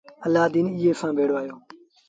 الآدين ايئي سآݩ ڀيڙو آيو۔